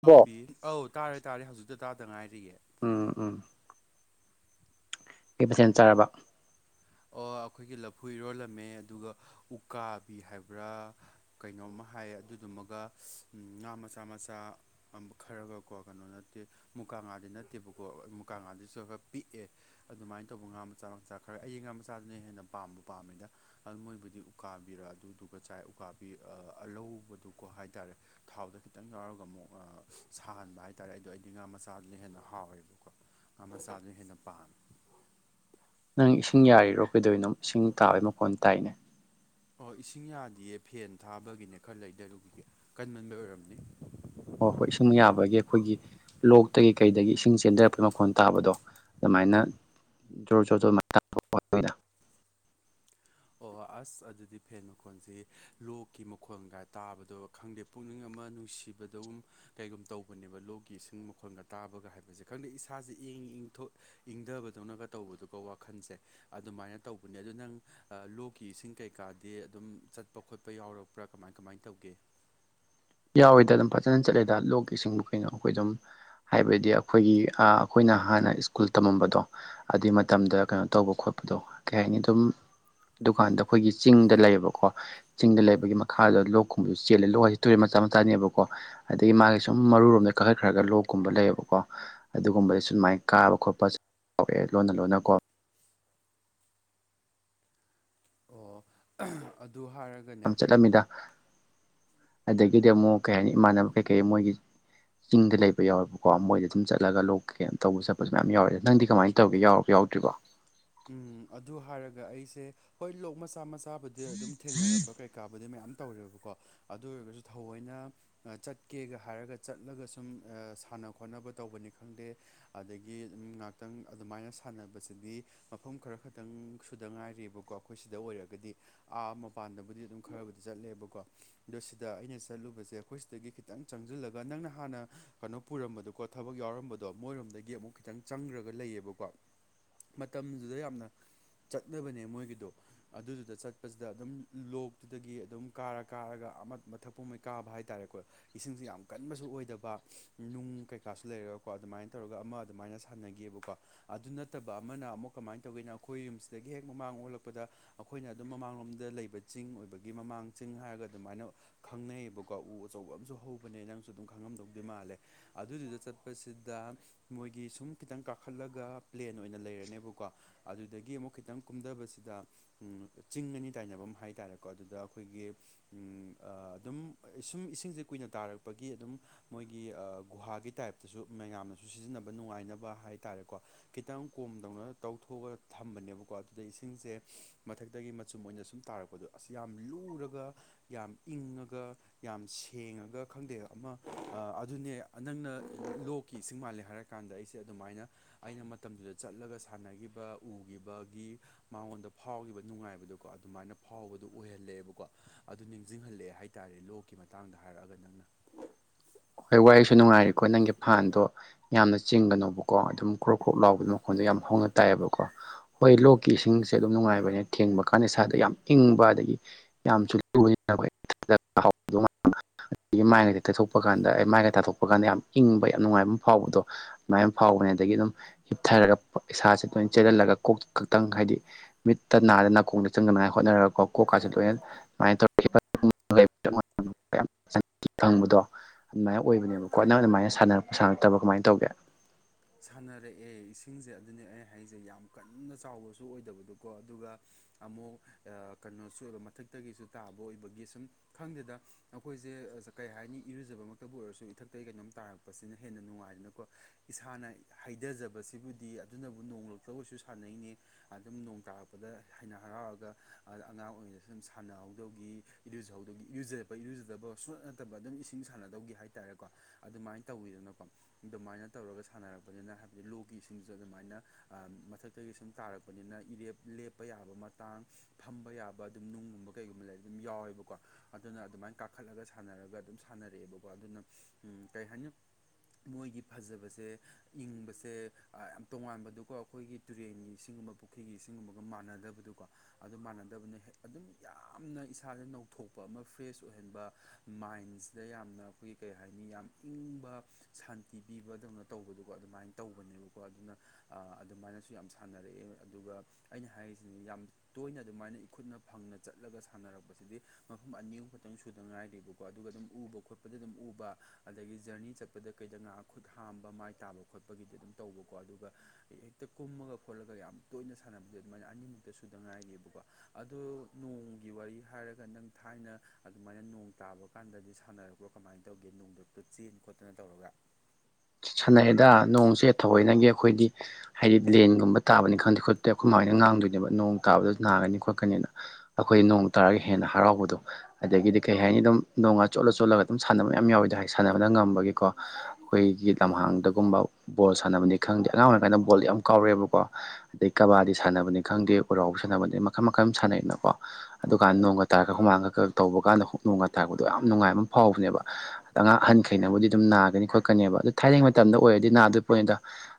ꯕꯣ ꯑꯧꯄꯤ ꯑꯧ ꯇꯥꯔꯦ ꯇꯥꯔꯦ ꯍꯧꯖꯤꯛꯛꯇ ꯇꯥꯗ ꯉꯥꯏꯔꯤꯌꯦ ꯎꯝ ꯎꯝ ꯀꯩ ꯃꯊꯦꯟ ꯆꯥꯔꯕ ꯑꯩꯈꯣꯏꯒꯤ ꯂꯐꯨ ꯏꯔꯣꯜꯂꯝꯃꯦ ꯑꯗꯨꯒ ꯎꯀꯥꯕꯤ ꯍꯥꯏꯕ꯭ꯔꯥ ꯀꯩꯅꯣꯝꯃ ꯍꯥꯏꯌꯦ ꯑꯗꯨꯗꯨꯃꯒ ꯉꯥ ꯃꯆꯥ ꯃꯆꯥ ꯈꯔꯒꯀꯣ ꯀꯩꯅꯣ ꯅꯠꯇꯦ ꯃꯨꯀꯥ ꯉꯥꯗꯤ ꯅꯠꯇꯦꯕꯀꯣ ꯃꯨꯀꯥ ꯉꯥꯗꯨꯁꯨ ꯈꯔ ꯄꯤꯛꯑꯦ ꯑꯗꯨꯃꯥꯏꯅ ꯇꯧꯕ ꯉꯥ ꯃꯆꯥ ꯃꯆꯥ ꯈꯔ ꯑꯩꯗꯤ ꯉꯥ ꯃꯆꯥ ꯃꯆꯥꯗꯨꯅ ꯍꯦꯟꯅ ꯄꯥꯝꯕꯨ ꯄꯥꯝꯃꯤꯗ ꯃꯣꯏꯕꯨꯗꯤ ꯎꯀꯥꯕꯤꯔ ꯑꯗꯨꯗꯨꯒ ꯆꯥꯏ ꯎꯀꯥꯕꯤ ꯑꯂꯧꯕꯗꯨꯀꯣ ꯍꯥꯏꯇꯥꯔꯦ ꯊꯥꯎꯗ ꯈꯤꯇꯪ ꯌꯥꯎꯔꯒ ꯑꯃꯨꯛ ꯁꯥꯍꯟꯕ ꯍꯥꯏ ꯇꯥꯔꯦ ꯑꯗꯣ ꯑꯩꯗꯤ ꯉꯥ ꯃꯆꯥꯗꯨꯅ ꯍꯦꯟꯅ ꯍꯥꯎꯋꯦꯕꯀꯣ ꯉꯥ ꯃꯆꯥꯗꯨꯅ ꯍꯦꯟꯅ ꯄꯥꯝꯃꯤ ꯅꯪ ꯏꯁꯤꯡ ꯌꯥꯔꯤꯔꯣ ꯀꯩꯗꯧꯏꯅꯣ ꯏꯁꯤꯡ ꯇꯥꯕꯩ ꯃꯈꯣꯟ ꯇꯥꯏꯅꯦ ꯑꯣ ꯏꯁꯤꯡ ꯌꯥꯗꯤꯌꯦ ꯐꯦꯟ ꯊꯥꯕꯒꯤꯅꯦ ꯈꯔ ꯂꯩꯊꯔꯨꯒꯤꯒꯦ ꯀꯟꯃꯟꯕꯩ ꯑꯣꯏꯔꯝꯅꯤ ꯍꯣꯏ ꯍꯣꯏ ꯏꯁꯤꯡ ꯌꯥꯕꯒꯤ ꯑꯩꯈꯣꯏꯒꯤ ꯂꯣꯛꯇꯒꯤ ꯀꯩꯗꯒꯤ ꯏꯁꯤꯡ ꯆꯦꯟꯊꯔꯛꯄꯒꯤ ꯃꯈꯣꯟ ꯇꯥꯕꯗꯣ ꯑꯗꯨꯃꯥꯏꯅ ꯖꯣꯔ ꯖꯣꯔ [unintelligible] ꯑꯣ ꯑꯁ ꯑꯗꯨꯗꯤ ꯐꯦꯟ ꯃꯈꯣꯟꯁꯤ ꯂꯣꯛꯀꯤ ꯃꯈꯣꯟꯒ ꯇꯥꯕꯗꯣ ꯈꯪꯗꯦ ꯄꯨꯛꯅꯤꯡ ꯑꯃ ꯅꯨꯡꯁꯤꯕꯗꯧ ꯀꯩꯒꯨꯝ ꯇꯧꯕꯅꯦꯕ ꯂꯣꯛꯒꯤ ꯏꯁꯤꯡ ꯃꯈꯣꯟꯒ ꯇꯥꯕꯒ ꯍꯥꯏꯕꯁꯦ ꯈꯪꯗꯦ ꯏꯁꯥꯁꯦ ꯏꯪ ꯏꯪꯊꯣꯛ ꯏꯪꯗꯕꯗꯧꯅꯒ ꯇꯧꯕꯗꯨ ꯋꯥꯈꯜꯁꯦ ꯑꯗꯨꯃꯥꯏꯅ ꯇꯧꯕꯅꯦ ꯑꯗꯨ ꯅꯪ ꯑ ꯂꯣꯛꯀꯤ ꯏꯁꯤꯡ ꯀꯩꯀꯥꯗꯤ ꯑꯗꯨꯝ ꯆꯠꯄ ꯈꯣꯠꯄ ꯌꯥꯎꯔꯛꯄ꯭ꯔꯥ ꯀꯃꯥꯏ ꯀꯃꯥꯏꯅ ꯇꯧꯒꯦ ꯌꯥꯎꯋꯦꯗ ꯑꯗꯨꯝ ꯐꯖꯅ ꯆꯠꯂꯦꯗ ꯂꯣꯛꯀꯤ ꯏꯁꯤꯡꯕꯨ ꯀꯩꯅꯣ ꯑꯩꯈꯣꯏ ꯑꯗꯨꯝ ꯍꯥꯏꯕꯗꯤ ꯑꯩꯈꯣꯏꯒꯤ ꯑ ꯑꯩꯈꯣꯏꯅ ꯍꯥꯟꯅ ꯁ꯭ꯀꯨꯜ ꯇꯝꯃꯝꯕꯗꯣ ꯑꯗꯨꯏ ꯃꯇꯝꯗ ꯀꯩꯅꯣ ꯇꯧꯕ ꯈꯣꯠꯄꯗꯣ ꯀꯩ ꯍꯥꯏꯅꯤ ꯑꯗꯨꯝ ꯑꯗꯨꯀꯥꯟꯗ ꯑꯩꯈꯣꯏꯒꯤ ꯆꯤꯡꯗ ꯂꯩꯌꯦꯕꯀꯣ ꯆꯤꯡꯗ ꯂꯩꯕꯒꯤ ꯃꯈꯥꯗ ꯂꯣꯛꯨꯝꯕꯁꯨ ꯆꯦꯜꯂꯦ ꯂꯣꯛ ꯍꯥꯏ ꯇꯨꯔꯦꯟ ꯃꯆꯥ ꯃꯆꯥꯅꯦꯕꯀꯣ ꯑꯗꯒꯤ ꯃꯥꯒꯤ ꯁꯨꯝ ꯃꯔꯨꯨꯔꯣꯝꯗ ꯀꯛꯈꯠꯈ꯭ꯔꯒ ꯂꯣꯛꯀꯨꯝꯕ ꯂꯩꯌꯦꯕꯀꯣ ꯑꯗꯨꯒꯨꯝꯕꯗ ꯁꯨꯃꯥꯏꯅ ꯀꯥꯕ ꯈꯣꯠꯄꯁꯨ ꯌꯥꯎꯋꯦ ꯂꯣꯟꯅ ꯂꯣꯟꯅ ꯀꯣ ꯑꯣ ꯑꯗꯨ ꯍꯥꯏꯔꯒ ꯌꯥꯝ ꯆꯠꯂꯝꯃꯤꯗ ꯑꯗꯒꯤꯗꯤ ꯑꯃꯨꯛ ꯀꯩ ꯍꯥꯏꯅꯤ ꯏꯃꯥꯟꯅꯕ ꯀꯩꯀꯩ ꯃꯣꯏꯒꯤ ꯆꯤꯡꯗ ꯂꯩꯕ ꯌꯥꯎꯋꯦꯕꯀꯣ ꯃꯣꯏꯗ ꯑꯗꯨꯝ ꯆꯠꯂꯒ ꯂꯣꯛꯀ ꯇꯧꯕ ꯆꯠꯄꯁꯨ ꯃꯌꯥꯝ ꯌꯥꯎꯋꯦ ꯅꯪꯗꯤ ꯀꯃꯥꯏꯅ ꯇꯧꯒꯦ ꯌꯥꯎꯔ ꯌꯥꯎꯗ꯭ꯔꯤꯕꯣ ꯎꯝ ꯑꯗꯨ ꯍꯥꯏꯔꯒ ꯑꯩꯁꯦ ꯍꯣꯏ ꯂꯣꯛ ꯃꯆꯥ ꯃꯆꯥꯕꯨꯗꯤ ꯑꯗꯨꯝ ꯊꯦꯡꯅꯔꯛꯄ ꯀꯩ ꯀꯥꯕꯨꯗꯤ ꯃꯌꯥꯝ ꯇꯧꯔꯦꯕꯀꯣ ꯑꯗꯨ ꯑꯣꯏꯔꯒꯁꯨ ꯊꯧꯑꯣꯏꯅ ꯆꯠꯀꯦꯒ ꯍꯥꯏꯔꯒ ꯆꯠꯂꯒ ꯁꯨꯝ ꯑ ꯁꯥꯟꯅ ꯈꯣꯠꯅꯕ ꯇꯧꯕꯅꯤ ꯈꯪꯗꯦ ꯑꯗꯒꯤ ꯎꯝ ꯉꯥꯏꯍꯥꯛꯇꯪ ꯑꯗꯨꯃꯥꯏꯅ ꯁꯥꯟꯅꯕꯁꯤꯗꯤ ꯃꯐꯝ ꯈꯔ ꯈꯛꯇꯪ ꯁꯨꯗ ꯉꯥꯏꯔꯕꯀꯣ ꯑꯩꯈꯣꯏ ꯁꯤꯗ ꯑꯣꯏꯔꯒꯗꯤ ꯑꯥ ꯃꯄꯥꯟꯗꯕꯨꯗꯤ ꯑꯗꯨꯝ ꯈꯔꯕꯨꯗꯤ ꯆꯠꯂꯦꯕꯀꯣ ꯑꯗꯣ ꯁꯤꯗ ꯑꯩꯅ ꯆꯠꯂꯨꯕꯁꯦ ꯑꯩꯈꯣꯏ ꯁꯤꯗꯒꯤ ꯈꯤꯇꯪ ꯆꯪꯁꯤꯜꯂꯒ ꯅꯪꯅ ꯍꯥꯟꯅ ꯀꯩꯅꯣ ꯄꯨꯔꯝꯕꯗꯨꯀꯣ ꯊꯕꯛ ꯌꯥꯎꯔꯝꯕꯗꯣ ꯃꯣꯏꯔꯣꯝꯗꯒꯤ ꯑꯃꯨꯛ ꯈꯤꯇꯪ ꯆꯪꯈ꯭ꯔꯒ ꯂꯩꯌꯦꯕꯀꯣ ꯃꯇꯝꯗꯨꯗ ꯌꯥꯝꯅ ꯆꯠꯅꯕꯅꯦ ꯃꯣꯏꯒꯤꯗꯣ ꯑꯗꯨꯗꯨꯗ ꯆꯠꯄꯁꯤꯗ ꯑꯗꯨꯝ ꯂꯣꯛꯇꯨꯗꯒꯤ ꯑꯗꯨꯝ ꯀꯥꯔ ꯀꯥꯔꯒ ꯑꯥ ꯃꯊꯛꯄꯨꯝꯕꯩ ꯀꯥꯕ ꯍꯥꯏꯇꯥꯔꯦꯀꯣ ꯏꯁꯤꯡꯁ ꯌꯥꯝ ꯀꯟꯕꯁꯨ ꯑꯣꯏꯗꯕ ꯅꯨꯡ ꯀꯩꯀꯥꯁꯨ ꯂꯩꯔꯒꯀꯣ ꯑꯗꯨꯃꯥꯏꯅ ꯇꯧꯔꯒ ꯑꯃ ꯑꯗꯨꯃꯥꯏꯅ ꯁꯥꯟꯅꯈꯤꯌꯦꯕꯀꯣ ꯑꯗꯨ ꯅꯠꯇꯕ ꯑꯃꯅ ꯑꯃꯨꯛ ꯀꯃꯥꯏꯅ ꯇꯧꯒꯦꯅꯣ ꯑꯩꯈꯣꯏ ꯌꯨꯝꯁꯤꯗꯒꯤ ꯍꯦꯛ ꯃꯃꯥꯡ ꯑꯣꯜꯂꯛꯄꯗ ꯑꯩꯈꯣꯏꯅ ꯑꯗꯨꯝ ꯃꯃꯥꯡꯂꯣꯝꯗ ꯂꯩꯕ ꯆꯤꯡ ꯑꯣꯏꯕꯒꯤ ꯃꯃꯥꯡ ꯆꯤꯡ ꯍꯥꯏꯔꯒ ꯑꯗꯨꯃꯥꯏꯅ ꯈꯪꯅꯩꯌꯦꯕꯀꯣ ꯎ ꯑꯆꯧꯕ ꯑꯃꯁꯨ ꯍꯧꯕꯅꯦ ꯅꯪꯁꯨ ꯑꯗꯨꯝ ꯈꯪꯉꯝꯗꯧꯗꯤ ꯃꯥꯜꯂꯦ ꯑꯗꯨꯗꯨꯗ ꯆꯠꯄꯁꯤꯗ ꯃꯣꯏꯒꯤ ꯁꯨꯝ ꯈꯤꯇꯪ ꯀꯥꯈꯠꯂꯒ ꯄ꯭ꯂꯦꯠ ꯑꯣꯏꯅ ꯂꯩꯔꯅꯦꯕꯀꯣ ꯑꯗꯨꯗꯒꯤ ꯑꯃꯨꯛ ꯈꯤꯇꯪ ꯀꯨꯝꯊꯕꯁꯤꯗ ꯑꯝ ꯆꯤꯡ ꯑꯅꯤ ꯇꯥꯏꯅꯐꯝ ꯍꯥꯏ ꯇꯥꯔꯦꯀꯣ ꯑꯗꯨꯗ ꯑꯩꯈꯣꯏꯒꯤ ꯑꯝ ꯑ ꯑꯗꯨꯝ ꯁꯨꯝ ꯏꯁꯤꯡꯁꯦ ꯀꯨꯏꯅ ꯇꯥꯔꯛꯄꯒꯤ ꯑꯗꯨꯝ ꯃꯣꯏꯒꯤ ꯑ ꯒꯨꯍꯥꯒꯤ ꯇꯥꯏꯞꯇꯁꯨ ꯃꯌꯥꯝꯅꯁꯨ ꯁꯤꯖꯤꯟꯅꯕ ꯅꯨꯡꯉꯥꯏꯅꯕ ꯍꯥꯏ ꯇꯥꯔꯦꯀꯣ ꯈꯤꯇꯪ ꯀꯣꯝꯗꯧꯅ ꯇꯧꯊꯣꯛꯑꯒ ꯊꯝꯕꯅꯦꯕꯀꯣ ꯑꯗꯨꯗ ꯏꯁꯤꯡꯁꯦ ꯃꯊꯛꯇꯒꯤ ꯃꯆꯨꯝ ꯑꯣꯏꯅ ꯁꯨꯝ ꯇꯥꯔꯛꯄꯗꯣ ꯑꯁ ꯌꯥꯝ ꯂꯨꯔꯒ ꯌꯥꯝ ꯏꯪꯉꯒ ꯌꯥꯝ ꯁꯦꯡꯉꯒ ꯈꯪꯗꯦ ꯑꯃ ꯑꯗꯨꯅꯦ ꯅꯪꯅ ꯂꯣꯛꯀꯤ ꯏꯁꯤꯡ ꯃꯥꯜꯂꯦ ꯍꯥꯏꯔꯛ ꯀꯥꯟꯗ ꯑꯩꯁꯦ ꯑꯗꯨꯃꯥꯏꯅ ꯑꯩꯅ ꯃꯇꯝꯗꯨꯗ ꯆꯠꯂꯒ ꯁꯥꯟꯅꯈꯤꯕ ꯎꯈꯤꯕꯒꯤ ꯃꯥꯉꯣꯟꯗ ꯐꯥꯎꯈꯤꯕ ꯅꯨꯡꯉꯥꯏꯕꯗꯣꯀꯣ ꯑꯗꯨꯃꯥꯏꯅ ꯐꯥꯎꯕꯗꯨ ꯑꯣꯏꯍꯜꯂꯛꯑꯦꯕꯀꯣ ꯑꯗꯨ ꯅꯤꯡꯁꯤꯡꯍꯜꯂꯛꯑꯦ ꯍꯥꯏꯇꯥꯔꯦ ꯂꯣꯛꯀꯤ ꯃꯇꯥꯡꯗ ꯍꯥꯏꯔꯛꯑꯒ ꯅꯪꯅ ꯍꯣꯏ ꯋꯥꯔꯤꯁꯨ ꯅꯨꯡꯉꯥꯏꯔꯤꯀꯣ ꯅꯪꯒꯤ ꯐꯥꯟꯗꯣ ꯌꯥꯝꯅ ꯆꯤꯡꯒꯅꯣꯕꯀꯣ ꯑꯗꯨꯝ ꯀ꯭ꯔꯣꯞ ꯀ꯭ꯔꯣꯞ ꯂꯥꯎꯕꯩ ꯃꯈꯣꯟꯗꯣ ꯌꯥꯝ ꯍꯧꯅ ꯇꯥꯏꯌꯦꯕꯀꯣ ꯍꯣꯏ ꯂꯣꯛꯀꯤ ꯏꯁꯤꯡꯁꯦ ꯑꯗꯨꯝ ꯅꯨꯡꯉꯥꯏꯕꯅꯦ ꯊꯦꯡꯕ ꯀꯥꯟꯗ ꯏꯁꯥꯗ ꯌꯥꯝ ꯏꯪꯕ ꯑꯗꯒꯤ ꯌꯥꯝꯁꯨ [unintelligible] ꯃꯥꯏꯗꯤ ꯇꯩꯊꯣꯛꯄ ꯀꯥꯟꯗ ꯑꯩ ꯃꯥꯏꯒ ꯇꯥꯊꯣꯛꯄ ꯀꯥꯟꯗ ꯌꯥꯝ ꯏꯪꯕ ꯌꯥꯝꯅ ꯅꯨꯡꯉꯥꯏꯕ ꯑꯃ ꯐꯥꯎꯕꯗꯣ ꯑꯗꯨꯃꯥꯏꯅ ꯐꯥꯎꯕꯅꯦ ꯑꯗꯒꯤ ꯑꯗꯨꯝ ꯍꯤꯞꯊꯔꯒ ꯏꯁꯥꯁꯦ ꯑꯗꯨꯃꯥꯏꯅ ꯆꯦꯜꯍꯜꯂꯒ ꯀꯣꯛ ꯈꯛꯇꯪ ꯍꯥꯏꯗꯤ ꯃꯤꯠꯇ ꯅꯥꯗ ꯅꯥꯀꯣꯡꯗ ꯆꯪꯅꯉꯥꯏ ꯍꯣꯠꯅꯔꯒꯀꯣ ꯀꯣꯛꯀꯁꯨ ꯂꯣꯏꯅ [unintelligible] ꯑꯗꯨꯃꯥꯏꯅ ꯑꯣꯏꯕꯅꯦꯕ ꯈꯣꯠꯅꯕ ꯑꯗꯨꯃꯥꯏꯅ ꯁꯥꯟꯅꯔꯛꯄ ꯁꯥꯟꯅꯛꯇꯕ ꯀꯃꯥꯏꯅ ꯇꯧꯒꯦ ꯁꯥꯟꯅꯔꯛꯑꯦ ꯏꯁꯤꯡꯁꯦ ꯑꯗꯨꯅꯦ ꯑꯩ ꯍꯥꯏꯁꯦ ꯌꯥꯝ ꯀꯟꯅ ꯆꯥꯎꯕꯁꯨ ꯑꯣꯏꯗꯕꯗꯣꯀꯣ ꯑꯗꯨꯒ ꯑꯃꯨꯛ ꯀꯩꯅꯣꯁꯨ ꯑꯣꯏꯕ ꯃꯊꯛꯇꯒꯤꯁꯨ ꯇꯥꯕ ꯑꯣꯏꯕꯒꯤ ꯁꯨꯝ ꯈꯪꯗꯗ ꯑꯩꯈꯣꯏꯁꯦ ꯀꯩ ꯍꯥꯏꯅꯤ ꯏꯔꯨꯖꯕꯃꯛꯇꯕꯨ ꯑꯣꯏꯔꯁꯨ ꯏꯊꯛꯇꯒꯤ ꯀꯩꯅꯣꯝ ꯇꯥꯔꯛꯄ ꯄꯁꯤꯅ ꯍꯦꯟꯅ ꯅꯨꯡꯉꯥꯏꯗꯅꯀꯣ ꯏꯁꯥꯅ ꯍꯩꯊꯖꯕꯁꯤꯕꯨꯗꯤ ꯑꯗꯨꯅꯕꯨ ꯅꯣꯡꯂꯛꯇ ꯑꯣꯏꯁꯨ ꯁꯥꯟꯅꯩꯅꯦ ꯑꯗꯨꯝ ꯅꯣꯡ ꯇꯥꯔꯛꯄꯗ ꯍꯩꯅ ꯍꯔꯥꯎꯔꯒ ꯑꯉꯥꯡ ꯑꯣꯏꯔꯤꯉꯩꯁꯨ ꯑꯗꯨꯝ ꯁꯥꯟꯅꯍꯧꯗꯧꯒꯤ ꯏꯔꯨꯖꯍꯧꯗꯒꯤ ꯏꯔꯨꯖꯔꯛꯄ ꯏꯔꯨꯖꯗꯕ ꯁꯣꯠ ꯅꯠꯇꯕ ꯑꯗꯨꯝ ꯏꯁꯤꯡ ꯁꯥꯟꯅꯗꯧꯒꯤ ꯍꯥꯏꯇꯥꯔꯦꯀꯣ ꯑꯗꯨꯃꯥꯏꯅ ꯇꯧꯋꯤꯗꯅꯀꯣ ꯑꯗꯨꯃꯥꯏꯅ ꯇꯧꯔꯒ ꯁꯥꯟꯅꯔꯛꯄꯅꯤꯅ ꯍꯥꯏꯕꯗꯤ ꯂꯣꯛꯒꯤ ꯏꯁꯤꯡꯁꯨ ꯑꯗꯨꯃꯥꯏꯅ ꯃꯊꯛꯇꯒꯤ ꯁꯨꯝ ꯇꯥꯔꯛꯄꯅꯤꯅ ꯏꯔꯦꯞ ꯂꯦꯞꯄ ꯌꯥꯕ ꯇꯥꯡ ꯐꯝꯕ ꯌꯥꯕ ꯑꯗꯨꯝ ꯅꯨꯡꯒꯨꯝꯕ ꯀꯩꯒꯨꯝꯕ ꯂꯩꯔ ꯑꯗꯨꯝ ꯌꯥꯎꯋꯦꯕꯀꯣ ꯑꯗꯨꯅ ꯑꯗꯨꯃꯥꯏꯅ ꯀ ꯀꯥꯈꯠꯂꯒ ꯁꯥꯟꯅꯔꯒ ꯑꯗꯨꯝ ꯁꯥꯟꯅꯔꯛꯑꯦꯕꯀꯣ ꯑꯗꯨꯅ ꯀꯩ ꯍꯥꯏꯅꯤ ꯃꯣꯏꯒꯤ ꯐꯖꯕꯁꯦ ꯏꯪꯕꯁꯦ ꯑ ꯌꯥꯝ ꯇꯣꯉꯥꯟꯕꯗꯨꯀꯣ ꯑꯩꯈꯣꯏꯒꯤ ꯇꯨꯔꯦꯟꯒꯤ ꯁꯤꯒꯨꯝꯕ ꯄꯨꯈ꯭ꯔꯤꯒꯤ ꯁꯤꯒꯨꯝꯕꯒ ꯃꯥꯟꯅꯗꯕꯗꯨꯀꯣ ꯑꯗꯨ ꯃꯥꯟꯅꯗꯕꯅ ꯑꯗꯨꯝ ꯌꯥꯝꯅ ꯏꯁꯥꯗ ꯅꯧꯊꯣꯛꯄ ꯑꯃ ꯐ꯭ꯔꯦꯁ ꯑꯣꯏꯍꯟꯕ ꯃꯥꯏꯟꯁꯤꯗ ꯌꯥꯝꯅ ꯑꯩꯈꯣꯏꯒꯤ ꯀꯩ ꯍꯥꯏꯅꯤ ꯌꯥꯝ ꯏꯪꯕ ꯁꯥꯟꯇꯤ ꯄꯤꯕꯗꯧꯅ ꯇꯧꯕꯗꯨꯣꯀꯣ ꯑꯗꯨꯃꯥꯏꯅ ꯇꯧꯕꯅꯦꯕꯀꯣ ꯑꯗꯨꯅ ꯑꯗꯨꯃꯥꯏꯅꯁꯨ ꯌꯥꯝ ꯁꯥꯟꯅꯔꯛꯑꯦ ꯑꯗꯨꯒ ꯑꯩꯅ ꯍꯥꯏꯔꯤꯁꯤꯅꯤ ꯌꯥꯝ ꯇꯣꯏꯅ ꯑꯗꯨꯃꯥꯏꯅ ꯏꯈꯨꯠꯅ ꯐꯪꯅ ꯆꯠꯂꯒ ꯁꯥꯟꯅꯔꯛꯄꯁꯤꯗꯤ ꯃꯐꯝ ꯑꯅꯤ ꯑꯨꯝ ꯈꯛꯇꯪ ꯁꯨꯗꯅ ꯉꯥꯏꯔꯤꯕ ꯀꯣ ꯑꯗꯨꯒ ꯑꯗꯨꯝ ꯎꯕ ꯈꯣꯠꯄꯗ ꯑꯗꯨꯝ ꯎꯕ ꯑꯗꯒꯤ ꯖꯔꯅꯤ ꯆꯠꯄꯗ ꯀꯩꯗ ꯉꯥꯏꯍ ꯈꯨꯠ ꯍꯥꯝ ꯃ ꯃꯥꯏ ꯇꯥꯕ ꯈꯣꯠꯄꯒꯤꯗꯤ ꯑꯗꯨꯝ ꯇꯧꯕꯀꯣ ꯑꯗꯨꯒ ꯍꯦꯛꯇ ꯀꯨꯝꯃꯒ ꯈꯣꯠꯂꯒ ꯌꯥꯝ ꯇꯣꯏꯅ ꯁꯥꯟꯅꯕꯗ ꯑꯗꯨꯃꯥꯏꯅ ꯑꯅꯤꯃꯨꯛꯇ ꯁꯨꯗ ꯉꯥꯏꯔꯤꯑꯕꯀꯣ ꯑꯗꯣ ꯅꯣꯡꯒꯤ ꯋꯥꯔꯤ ꯍꯥꯏꯔꯒ ꯅꯪ ꯊꯥꯏꯅ ꯑꯗꯨꯃꯥꯏꯅ ꯅꯣꯡ ꯇꯥꯕ ꯀꯥꯟꯗꯗꯤ ꯁꯥꯟꯅꯔꯛꯄꯣ ꯀꯃꯥꯏꯅ ꯇꯧꯒꯦ ꯅꯣꯡꯗꯛꯇ ꯆꯦꯟ ꯈꯣꯠꯇꯅ ꯇꯧꯔꯒ ꯁꯥꯟꯅꯩꯗ ꯅꯣꯡꯁꯦ ꯊꯑꯣꯏꯅꯒꯤ ꯑꯩꯈꯣꯏꯗꯤ ꯍꯥꯏꯗꯤ ꯂꯦꯟꯒꯨꯝꯕ ꯇꯥꯕꯅꯤ ꯈꯪꯗꯦ ꯈꯣꯠꯇꯦ ꯑꯩꯈꯃꯥꯏꯅ ꯉꯥꯡꯗꯣꯏꯅꯦꯕ ꯅꯣꯡ ꯇꯥꯕꯗ ꯅꯥꯒꯅꯤ ꯈꯣꯠꯀꯅꯤꯅ ꯑꯩꯈꯣꯏ ꯅꯣꯡ ꯇꯥꯔꯒ ꯍꯦꯟꯅ ꯍꯔꯥꯎꯕꯗꯣ ꯑꯗꯒꯤꯗꯤ ꯀꯩ ꯍꯥꯏꯅꯤ ꯑꯗꯨꯝ ꯅꯣꯡꯉꯥ ꯆꯣꯠꯂ ꯆꯣꯠꯂꯒ ꯑꯗꯨꯝ ꯁꯥꯟꯅꯕ ꯃꯌꯥꯝ ꯌꯥꯎꯋꯤꯗ ꯍꯥꯏ ꯁꯥꯟꯅꯕꯅ ꯉꯝꯕꯒꯤꯀꯣ ꯑꯩꯈꯣꯏꯒꯤ ꯂꯝꯍꯥꯡꯗꯒꯨꯝꯕ ꯕꯣꯜ ꯁꯥꯟꯅꯕꯅꯤ ꯈꯪꯗꯦ ꯑꯉꯥꯡ ꯑꯣꯏꯔꯤꯀꯥꯟꯗ ꯕꯣꯜꯗ ꯌꯥꯝ ꯀꯥꯎꯔꯛꯑꯦꯕꯀꯣ ꯑꯗꯩ ꯀꯕꯥꯗꯤ ꯁꯥꯟꯅꯕꯅꯤ ꯈꯪꯗꯦ ꯎꯔꯥꯎ ꯁꯥꯟꯅꯕꯅꯤ ꯃꯈꯜ ꯃꯈꯜ ꯁꯥꯟꯅꯩꯅꯀꯣ ꯑꯗꯨꯀꯥꯟꯗ ꯅꯣꯡꯒ ꯇꯥꯔꯛꯒ ꯍꯨꯃꯥꯡꯈꯛ ꯈ ꯇꯧꯕ ꯀꯥꯟꯗ ꯅꯣꯡꯒ ꯇꯥꯔꯛꯄꯗꯣ ꯌꯥꯝ ꯅꯨꯡꯉꯥꯏ ꯑꯃ ꯐꯥꯎꯕꯅꯦꯕ ꯑꯉꯥꯡ ꯑꯍꯟꯈꯩꯅꯕꯨꯗꯤ ꯑꯗꯨꯝ ꯅꯥꯒꯅꯤ ꯈꯣꯠꯀꯅꯦꯕ ꯑꯗꯨꯣ ꯊꯥꯏꯔꯦꯡ ꯃꯇꯝꯗ ꯑꯣꯏꯔꯗꯤ ꯅꯥꯗꯣꯏ ꯄꯣꯅꯤꯗ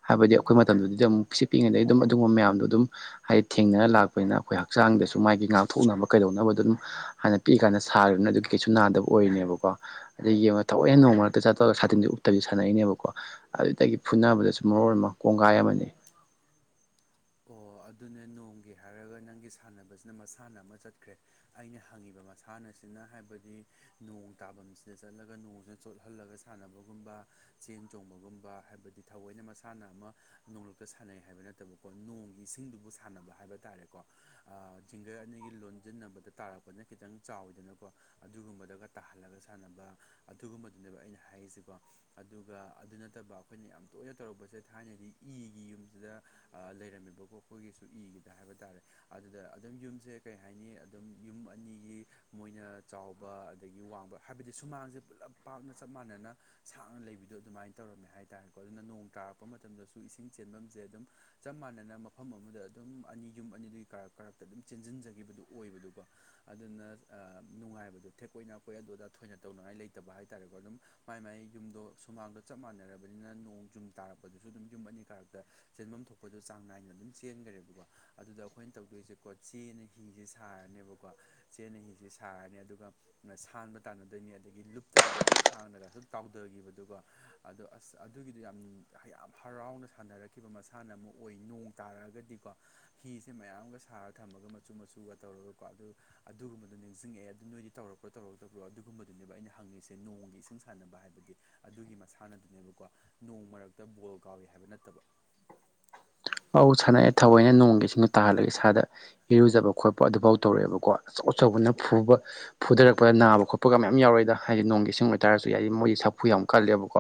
ꯍꯥꯏꯕꯗꯤ ꯑꯩꯈꯣꯏ ꯃꯇꯝꯗꯨꯗꯤ ꯑꯃꯨꯛ ꯄꯤꯛꯉꯩ ꯑꯗꯨꯝ ꯑꯗꯨꯒꯨꯝꯕ ꯃꯌꯥꯝꯗꯣ ꯑꯗꯨꯝ ꯍꯥꯏꯗꯤ ꯊꯦꯡꯅ ꯂꯥꯛꯄꯅꯤꯅ ꯑꯩꯈꯣꯏ ꯍꯛꯆꯥꯡꯗꯁꯨ ꯃꯥꯒꯤ ꯉꯥꯛꯊꯣꯛꯅꯕ ꯀꯩꯗꯧꯅꯕ ꯑꯗꯨꯝ ꯍꯥꯟꯅ ꯄꯤꯛꯏ ꯀꯥꯟꯗ ꯁꯥꯔꯅꯤꯅ ꯑꯗꯨꯒꯤ ꯀꯩꯁꯨ ꯅꯥꯗꯕ ꯑꯣꯏꯔꯤꯅꯦꯕꯀꯣ ꯑꯗꯒꯤ ꯌꯦꯡꯉꯒ ꯊꯋꯥꯏꯦ ꯅꯣꯡꯃ ꯃꯔꯛꯇ ꯆꯠꯇꯔꯒ ꯁꯥꯇꯤꯟꯁꯦ ꯎꯞꯕꯗꯤ ꯁꯥꯟꯅꯩꯏꯅꯦꯕ ꯀꯣ ꯑꯗꯨꯗꯒꯤ ꯐꯨꯅꯕꯗꯁꯨ ꯃꯔꯣꯟ ꯑꯃ ꯀꯣꯡꯒꯥꯏ ꯑꯃꯅꯤ ꯑꯣ ꯑꯗꯨꯅꯦ ꯅꯣꯡꯒꯤ ꯍꯥꯏꯔꯒ ꯅꯪꯒꯤ ꯁꯥꯟꯅꯕꯁꯤꯅ ꯃꯁꯥꯟꯅ ꯑꯃ ꯆꯠꯈ꯭ꯔꯦ ꯑꯩꯅ ꯍꯪꯉꯤꯕ ꯃꯁꯥꯟꯅꯁꯤꯅ ꯍꯥꯏꯕꯗꯤ ꯅꯣꯡ ꯇꯥꯐꯝꯁꯤꯗ ꯆꯠꯂꯒ ꯅꯣꯡꯁꯤꯅ ꯆꯣꯠꯍꯜꯂꯒ ꯆ ꯁꯥꯟꯅꯕꯒꯨꯝꯕ ꯆꯦꯟ ꯆꯣꯡꯕꯒꯨꯝꯕ ꯍꯥꯏꯕꯗꯤ ꯊꯑꯣꯏꯅ ꯃꯁꯥꯟꯅ ꯑꯃ ꯅꯣꯡꯂꯛꯇ ꯁꯥꯟꯅꯩ ꯍꯥꯏꯕ ꯅꯠꯇꯕ ꯀ ꯅꯣꯡꯒꯤ ꯏꯁꯤꯡꯗꯨꯕꯨ ꯁꯥꯟꯅꯕ ꯍꯥꯏꯕ ꯇꯥꯔꯦꯀꯣ ꯖꯤꯡꯒꯔ ꯑꯅꯤꯒꯤ ꯂꯣꯟꯁꯤꯟꯅꯕꯗ ꯇꯥꯔꯛꯄ ꯄꯅ ꯈꯤꯇꯪ ꯆꯥꯎꯋꯤꯗꯅꯀꯣ ꯑꯗꯨꯒꯨꯝꯕꯗꯒ ꯇꯥꯍꯜꯂꯒ ꯁꯥꯟꯅꯕ ꯑꯗꯨꯒꯨꯝꯕꯗꯨꯅꯦꯕ ꯑꯩꯅ ꯍꯥꯏꯔꯤꯁꯤꯀꯣ ꯑꯗꯨꯒ ꯑꯗꯨ ꯅꯠꯇꯕ ꯑꯩꯈꯣꯏꯅ ꯌꯥꯝ ꯇꯣꯏꯅ ꯇꯧꯔꯛꯄꯁꯦ ꯊꯥꯏꯅꯗꯤ ꯏꯒꯤ ꯌꯨꯝꯁꯤꯗ ꯂꯩꯔꯝꯃꯤꯕꯀꯣ ꯑꯩꯈꯣꯏꯒꯤꯁꯨ ꯏꯒꯦꯗ ꯍꯥꯏꯕ ꯇꯥꯔꯦ ꯑꯗꯨꯗ ꯑꯗꯨꯝ ꯌꯨꯝꯁꯦ ꯀꯩ ꯍꯥꯏꯅꯤ ꯑꯗꯨꯝ ꯌꯨꯝ ꯑꯅꯤꯒꯤ ꯃꯣꯏꯅ ꯆꯥꯎꯕ ꯑꯗꯒꯤ ꯋꯥꯡꯕ ꯍꯥꯏꯕꯗꯤ ꯁꯨꯃꯥꯡꯁꯦ ꯄꯨꯜꯂꯞ ꯄꯥꯛꯅ ꯆꯞ ꯃꯥꯟꯅꯅ ꯁꯥꯡꯅ ꯂꯩꯕꯗꯣ ꯑꯗꯨꯃꯥꯏꯅ ꯇꯧꯔꯝꯃꯦ ꯍꯥꯏꯇꯥꯥꯔꯦꯀꯣ ꯑꯗꯨꯅ ꯅꯣꯡ ꯇꯥꯔꯛꯄ ꯃꯇꯝꯗꯁꯨ ꯏꯁꯤꯡ ꯆꯦꯟꯐꯝꯁꯦ ꯑꯗꯨꯝ ꯆꯞ ꯃꯥꯟꯅꯅ ꯃꯐꯝ ꯑꯃꯗ ꯑꯗꯨꯝ ꯑꯅꯤ ꯌꯨꯝ ꯑꯅꯤꯗꯨꯒꯤ ꯀꯔꯛ ꯀꯥꯔꯛꯇ ꯑꯗꯨꯝ ꯆꯦꯟꯁꯤꯟꯖꯈꯤꯕꯗꯨ ꯑꯣꯏꯕꯗꯨꯀꯣ ꯑꯗꯨꯅ ꯅꯨꯡꯉꯥꯏꯕꯗꯨꯣ ꯊꯦꯛꯀꯣꯏ ꯅꯥꯀꯣꯏ ꯑꯗꯨ ꯑꯗꯥ ꯊꯣꯏꯅ ꯇꯧꯅꯉꯥꯏ ꯂꯩꯇꯕ ꯍꯥꯏꯇꯥꯥꯔꯦꯀꯣ ꯑꯗꯨꯝ ꯃꯥꯏ ꯃꯥꯏ ꯌꯨꯝꯗꯣ ꯁꯨꯃꯥꯡꯗꯣ ꯆꯞ ꯃꯥꯟꯅꯔꯕꯅꯤꯅ ꯅꯣꯡ ꯌꯨꯝ ꯇꯥꯔꯛꯄꯗꯁꯨ ꯑꯗꯨꯝ ꯌꯨꯝ ꯑꯅꯤ ꯀꯥꯔꯛꯇ ꯆꯦꯟꯐꯝ ꯊꯣꯛꯄ ꯇꯣ ꯆꯥꯡ ꯅꯥꯏꯅ ꯑꯗꯨꯝ ꯆꯦꯟꯈꯔꯦꯕꯀꯣ ꯑꯗꯨꯗ ꯑꯩꯈꯣꯏꯅ ꯇꯧꯗꯣꯏꯁꯦꯀꯣ ꯆꯦꯅ ꯍꯤꯁꯦ ꯁꯥꯔꯅꯦꯕꯀꯣ ꯆꯦꯟꯅ ꯍꯤꯁꯦ ꯁꯥꯔꯅꯤ ꯑꯗꯨꯒ ꯁꯥꯟꯕ ꯇꯥꯟꯅꯗꯣꯏꯅꯤ ꯑꯗꯒꯤ ꯂꯨꯞꯇꯕꯤꯗ ꯑꯗꯨꯝ ꯁꯥꯡꯅꯒꯁꯨ ꯇꯥꯎꯊꯈꯤꯕꯗꯨ ꯑꯗꯣ ꯑꯁ ꯑꯗꯨꯒꯤꯗꯣ ꯌꯥꯝ ꯌꯥꯝ ꯍꯔꯥꯎꯅ ꯁꯥꯟꯅꯔꯛꯈꯤꯕ ꯃꯁꯥꯟꯅ ꯑꯃꯨꯛ ꯑꯣꯏ ꯅꯣꯡ ꯇꯥꯔꯒꯗꯤꯀꯣ ꯍꯤꯁꯦ ꯃꯌꯥꯝꯒ ꯁꯥꯔ ꯊꯝꯃꯒ ꯃꯆꯨ ꯃꯆꯨꯒ ꯇꯧꯔꯒ ꯀꯣ ꯑꯗꯨ ꯑꯗꯨꯒꯨꯝꯕꯗꯣ ꯅꯤꯡꯁꯤꯡꯉꯛꯑꯦ ꯑꯗꯨ ꯅꯣꯏꯗꯤ ꯇꯧꯔꯛꯄ꯭ꯔꯣ ꯇꯧꯔꯛꯇꯕ꯭ꯔꯣ ꯑꯗꯨꯒꯨꯝꯕꯗꯨꯅꯦꯕ ꯑꯩꯅ ꯍꯪꯉꯤꯁꯦ ꯅꯣꯡꯒꯤ ꯏꯁꯤꯡ ꯁꯥꯟꯅꯕ ꯍꯥꯏꯕꯗꯤ ꯑꯗꯨꯒꯤ ꯃꯁꯥꯟꯅꯗꯨꯅꯦꯕꯀꯣ ꯅꯣꯡ ꯃꯔꯛꯇ ꯕꯣꯜ ꯀꯥꯎꯋꯦ ꯍꯥꯏꯕ ꯅꯠꯇꯕ ꯑꯧ ꯁꯥꯟꯅꯩ ꯊꯧꯑꯣꯏꯅ ꯅꯣꯡꯒꯤ ꯁꯤꯡꯗꯣ ꯇꯥꯍꯜꯂꯒ ꯏꯁꯥꯗ ꯏꯔꯨꯖꯕ ꯈꯣꯠꯄ ꯑꯗꯨꯐꯥꯎ ꯇꯧꯔꯛꯑꯦꯕꯀꯣ ꯑꯆꯧ ꯑꯆꯧꯕꯅ ꯐꯨꯕ ꯐꯨꯗꯔꯛꯄ ꯅꯥꯕ ꯈꯣꯠꯄꯒ ꯃꯌꯥꯝ ꯌꯥꯎꯔꯛꯏꯗ ꯍꯥꯏꯗꯤ ꯅꯣꯡꯒꯤ ꯏꯁꯤꯡ ꯑꯣꯏꯇꯥꯔꯁꯨ ꯍꯥꯏꯗꯤ ꯃꯣꯏꯗꯤ ꯁꯥꯐꯨ ꯌꯥꯝ ꯀꯜꯂꯦꯕꯀꯣ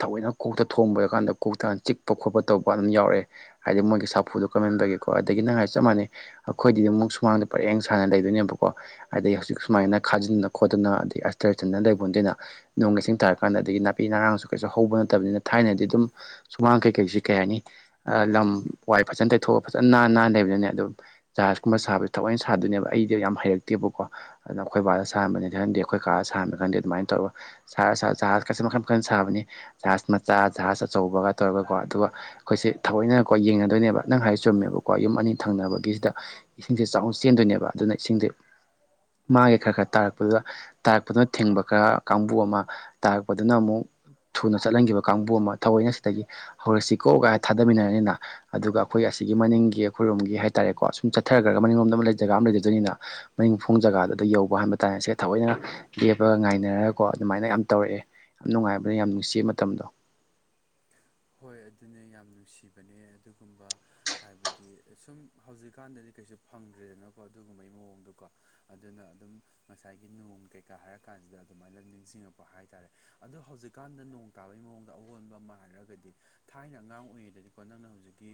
ꯊꯑꯣꯏꯅ ꯀꯣꯛꯇ ꯊꯣꯡꯕꯔ ꯀꯥꯟꯗ ꯀꯣꯛꯇꯥꯟ ꯆꯤꯛꯄ ꯈꯣꯠꯄ ꯇꯧꯕ ꯑꯗꯨꯝ ꯌꯥꯎꯔꯛꯑꯦ ꯍꯥꯏꯗꯤ ꯃꯣꯏꯒꯤ ꯁꯥꯐꯨꯗꯣ ꯀꯟꯃꯥꯟꯕꯒꯤꯀꯣ ꯑꯗꯒꯤ ꯅꯪ ꯍꯥꯏ ꯆꯞ ꯃꯥꯟꯅꯩ ꯑꯩꯈꯣꯏꯗꯤ ꯑꯃꯨꯛ ꯁꯨꯃꯥꯡꯗ ꯄꯔꯦꯡ ꯁꯥꯟꯅ ꯂꯩꯗꯣꯏꯅꯦꯕꯀꯣ ꯑꯗꯩ ꯍꯧꯖꯤꯛ ꯁꯨꯃꯥꯏꯅ ꯈꯥꯖꯤꯟꯗꯅ ꯈꯣꯠꯇꯅ ꯑꯗꯩ ꯑꯁꯇ꯭ꯔ ꯆꯟꯗꯅ ꯂꯩꯕ ꯅꯠꯇꯦꯅ ꯅꯣꯡꯒꯁꯤꯡ ꯇꯥꯔ ꯀꯥꯟꯗ ꯑꯗꯒꯤ ꯅꯥꯄꯤ ꯅꯔꯥꯡꯁꯨ ꯀꯩꯁꯨ ꯍꯧꯕ ꯅꯠꯇꯕꯅꯤꯅ ꯊꯥꯏꯅꯗꯤ ꯑꯗꯨꯝ ꯁꯨꯃꯥꯡ ꯀꯩꯀꯩꯁꯤ ꯀꯩ ꯍꯥꯏꯅꯤ ꯂꯝ ꯋꯥꯏ ꯐꯖꯅ ꯇꯩꯊꯣꯛꯑ ꯐꯖꯅ ꯅꯥꯟꯅ ꯅꯥꯟꯅ ꯂꯩꯕꯗꯨꯅ ꯑꯗꯨꯝ ꯖꯍꯥꯖꯀꯨꯝꯕ ꯁꯥꯕꯁꯦ ꯊꯋꯥꯑꯣꯏꯅ ꯁꯥꯗꯣꯏꯅꯦꯕ ꯑꯩꯗꯤ ꯌꯥꯝ ꯍꯩꯔꯛꯇꯦꯕꯀꯣ ꯑꯗꯨꯅ ꯑꯩꯈꯣꯏ ꯕꯥꯗ ꯁꯥꯍꯟꯕꯅꯤ ꯈꯪꯗꯤ ꯑꯩꯈꯣꯏ ꯀꯥꯗ ꯁꯥꯍꯟꯕꯥ ꯈꯪꯗꯦ ꯑꯗꯨꯃꯥꯏ ꯇꯔꯒ ꯁꯔꯥ ꯖꯥꯍꯥꯁ ꯀꯁꯦ ꯃꯈꯜ ꯃꯈꯜ ꯁꯥꯕꯅꯤ ꯖꯍꯥꯖ ꯃꯆꯥ ꯖꯍꯥꯖ ꯑꯆꯧꯕꯒ ꯇꯧꯔꯒꯀꯣ ꯑꯗꯨꯒ ꯑꯩꯈꯣꯏꯁꯦ ꯊꯑꯣꯏꯅꯀꯣ ꯌꯦꯡꯅꯗꯣꯏꯅꯦꯕ ꯅꯪ ꯍꯥꯏ ꯆꯨꯝꯃꯦꯕꯀꯣ ꯌꯨꯝ ꯑꯅꯤ ꯊꯪꯅꯕꯒꯤꯁꯤꯗ ꯏꯁꯤꯡꯁꯦ ꯆꯥꯎꯅ ꯆꯦꯟꯗꯣꯏꯅꯦꯕ ꯑꯗꯨꯅ ꯏꯁꯤꯡꯁꯦ ꯃꯥꯒꯤ ꯈꯔ ꯈꯔ ꯇꯥꯔꯛꯄꯗꯨꯗ ꯇꯥꯔꯛꯄꯗꯨꯅ ꯊꯤꯡꯕ ꯈꯔ ꯀꯥꯡꯕꯨ ꯑꯃ ꯇꯥꯔꯛꯄꯗꯨꯅ ꯑꯃꯨꯛ ꯊꯨꯅ ꯆꯠꯍꯟꯈꯤꯕ ꯀꯥꯡꯕꯨ ꯑꯃ ꯊꯑꯣꯏꯅ ꯑꯁꯤꯗꯒꯤ ꯍꯧꯔꯛꯁꯤꯀꯧ ꯀꯥꯏ ꯊꯥꯗꯃꯤꯟꯅꯔꯅꯤꯅ ꯑꯗꯨꯒ ꯑꯩꯈꯣꯏ ꯑꯁꯤꯒꯤ ꯃꯅꯤꯡꯒꯤ ꯑꯩꯈꯣꯏꯔꯣꯝꯒꯤ ꯍꯥꯏ ꯇꯥꯔꯦꯀꯣ ꯁꯨꯝ ꯆꯠꯊꯔꯈ꯭ꯔꯒ ꯃꯅꯤꯡꯂꯣꯝꯗ ꯑꯃ ꯖꯒꯥ ꯑꯃ ꯂꯩꯖꯗꯣꯏꯅꯤꯅ ꯃꯅꯤꯡ ꯐꯣꯡ ꯖꯒꯥꯗꯨꯗ ꯌꯧꯕ ꯍꯥꯟꯕ ꯇꯥꯟꯅꯥꯁꯦ ꯊꯑꯣꯏꯅ ꯂꯦꯞꯄꯒ ꯉꯥꯏꯅꯔꯒꯀꯣ ꯑꯗꯨꯃꯥꯏꯅ ꯌꯥꯝ ꯇꯧꯔꯛꯑꯦ ꯌꯥꯝ ꯅꯨꯡꯉꯥꯏꯕꯅ ꯌꯥꯝ ꯅꯨꯡꯁꯤ ꯃꯇꯝꯗꯣ ꯍꯣꯏ ꯑꯗꯨꯅꯦ ꯌꯥꯝ ꯅꯨꯡꯁꯤꯕꯅꯦ ꯑꯗꯨꯒꯨꯝꯕ ꯍꯥꯏꯕꯗꯤ ꯁꯨꯝ ꯍꯧꯖꯤꯛꯀꯥꯟꯗꯗꯤ ꯀꯩꯁꯨ ꯐꯪꯗ꯭ꯔꯦꯗꯅꯀꯣ ꯑꯗꯨꯒꯨꯝꯕꯩ ꯃꯑꯣꯡꯗꯀꯣ ꯑꯗꯨꯅ ꯑꯗꯨꯝ ꯉꯁꯥꯏꯒꯤ ꯅꯣꯡ ꯀꯩꯀꯥ ꯍꯥꯏꯔꯀꯥꯟꯁꯤꯗ ꯑꯗꯨꯃꯥꯏꯅ ꯅꯤꯡꯁꯤꯡꯉꯛꯄ ꯍꯥꯏꯇꯥꯥꯔꯦ ꯑꯗꯣ ꯍꯧꯖꯤꯛꯀꯥꯟꯗ ꯅꯣꯡ ꯇꯥꯕꯒꯤ ꯃꯑꯣꯡꯗ ꯑꯑꯣꯟꯕ ꯑꯃ ꯍꯥꯏꯔꯒꯗꯤ ꯊꯥꯏꯅ ꯑꯉꯥꯡ ꯑꯣꯏꯔꯤꯉꯩꯗꯗꯤꯀꯣ ꯅꯪꯅ ꯍꯧꯖꯤꯛꯀꯤ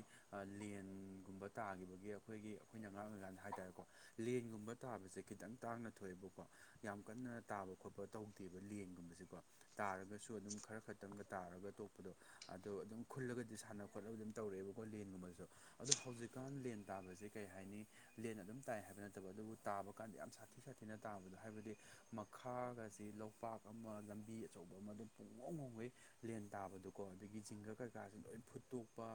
ꯂꯦꯟꯒꯨꯝꯕ ꯇꯥꯒꯤꯈꯤꯕꯒꯤ ꯑꯩꯈꯣꯏꯒꯤ ꯑꯩꯈꯣꯏꯅ ꯑꯥꯉꯥꯡꯑꯣꯏꯔꯥꯀꯥꯟꯗꯀꯣ ꯍꯥꯏꯇꯥꯔꯦꯀꯣ ꯂꯦꯟꯒꯨꯝꯕ ꯇꯥꯕꯁꯦ ꯈꯤꯇꯪ ꯇꯥꯡꯅ ꯊꯣꯛꯑꯦꯕꯀꯣ ꯌꯥꯝ ꯀꯟꯅ ꯇꯥꯕ ꯈꯣꯠꯄ ꯇꯧꯗꯦꯕ ꯂꯦꯡꯒꯨꯝꯕꯁꯦꯀꯣ ꯇꯥꯔꯒꯁꯨ ꯑꯗꯨꯝ ꯈꯔ ꯈꯛꯇꯪꯒ ꯇꯥꯔꯒ ꯇꯣꯛꯄꯗꯣ ꯑꯗꯣ ꯑꯗꯨꯝ ꯈꯨꯜꯂꯒꯗꯤ ꯁꯥꯟꯅ ꯈꯣꯠꯅꯕ ꯑꯗꯨꯝ ꯇꯧꯔꯛꯑꯦꯕꯀꯣ ꯂꯦꯟꯒꯨꯝꯕꯗꯁꯨ ꯑꯗꯣ ꯍꯧꯖꯤꯛꯀꯥꯟ ꯂꯦꯟ ꯇꯥꯕꯁꯦ ꯀꯩ ꯍꯥꯏꯅꯤ ꯂꯦꯟ ꯑꯗꯨꯝ ꯇꯥꯏ ꯍꯥꯏꯕ ꯅꯠꯇꯕ ꯑꯗꯨꯕꯨ ꯇꯥꯕ ꯀꯥꯟꯗ ꯌꯥꯝ ꯁꯥꯊꯤ ꯁꯥꯊꯤꯅ ꯇꯥꯕꯗꯣ ꯍꯥꯏꯕꯗꯤ ꯃꯈꯥꯒꯁꯤ ꯂꯧꯄꯥꯛ ꯑꯃ ꯂꯝꯕꯤ ꯑꯆꯧꯕ ꯑꯃ ꯑꯗꯨꯝ ꯄꯨꯡꯍꯣꯡ ꯍꯣꯡꯒꯩ ꯂꯦꯟ ꯇꯥꯕꯗꯣꯀꯣ ꯑꯗꯒꯤ ꯖꯤꯡꯒꯔ ꯀꯩꯀꯥꯥꯁꯦ ꯂꯣꯏ ꯐꯨꯠꯇꯣꯛꯄ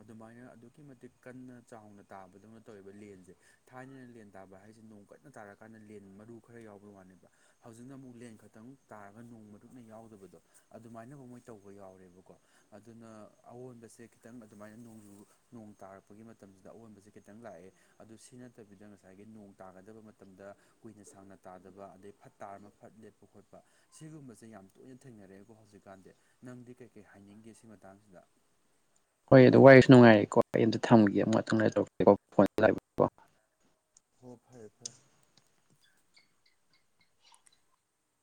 ꯑꯗꯨꯃꯥꯏꯅ ꯑꯗꯨꯛꯀꯤ ꯃꯇꯤꯛ ꯀꯟꯅ ꯆꯥꯎꯅ ꯇꯥꯕꯗꯧꯅ ꯇꯧꯋꯦꯕ ꯂꯦꯟꯁꯦ ꯊꯥꯏꯅꯅ ꯂꯦꯟ ꯇꯥꯕ ꯍꯥꯏꯁꯦ ꯅꯣꯡ ꯀꯟꯅ ꯇꯥꯔꯀꯥꯟꯗ ꯂꯦꯟ ꯃꯔꯨ ꯈꯔ ꯌꯥꯎꯕꯒꯤ ꯋꯥꯅꯦꯕ ꯍꯧꯖꯤꯛꯅ ꯑꯃꯨꯛ ꯂꯦꯟ ꯈꯛꯇꯪ ꯇꯥꯔꯒ ꯅꯣꯡ ꯃꯔꯨꯅ ꯌꯥꯎꯗꯕꯗꯣ ꯑꯗꯨꯃꯥꯏꯅꯐꯥꯎ ꯃꯣꯏ ꯇꯧꯕ ꯌꯥꯎꯔꯦꯕꯀꯣ ꯑꯗꯨꯅ ꯑꯑꯣꯟꯕꯁꯦ ꯈꯤꯇꯪ ꯑꯗꯨꯃꯥꯏꯅ ꯅꯣꯡꯖꯨ ꯅꯣꯡ ꯇꯥꯔꯛꯄꯒꯤ ꯃꯇꯝꯁꯤꯗ ꯑꯑꯣꯟꯕꯁꯦ ꯈꯤꯇꯪ ꯂꯥꯛꯑꯦ ꯑꯗꯨ ꯁꯤ ꯅꯠꯇꯕꯤꯗ ꯉꯁꯥꯏꯒꯤ ꯅꯣꯡ ꯇꯥꯒꯗꯕ ꯃꯇꯝꯗ ꯀꯨꯏꯅ ꯁꯥꯡꯅ ꯇꯥꯗꯕ ꯑꯗꯩ ꯐꯠ ꯇꯥꯔꯃ ꯐꯠ ꯂꯦꯞꯄ ꯈꯣꯠꯄ ꯁꯤꯒꯨꯝꯕꯁꯦ ꯌꯥꯝ ꯇꯣꯏꯅ ꯊꯦꯡꯅꯔꯛꯑꯦꯀꯣ ꯍꯧꯖꯤꯛꯀꯥꯟꯗꯤ ꯅꯪꯗꯤ ꯀꯩꯀꯩ ꯍꯥꯏꯅꯤꯡꯒꯦ ꯁꯤ ꯃꯇꯥꯡꯁꯤꯗ ꯍꯣꯏ ꯑꯗꯨ ꯋꯥꯔꯤꯁꯨ ꯅꯨꯡꯉꯥꯏꯔꯦꯀꯣ ꯑꯩ ꯑꯝꯇꯥ ꯊꯝꯒꯦ ꯑꯃꯨꯛ ꯉꯛꯇꯪ ꯂꯩꯔꯥ ꯇꯧꯔꯛꯀꯦꯀꯣ ꯐꯣꯟ ꯍꯣ ꯐꯔꯦ ꯐ